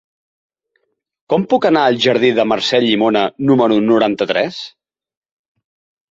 Com puc anar al jardí de Mercè Llimona número noranta-tres?